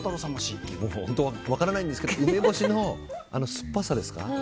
分からないんですけど梅干しの酸っぱさですか。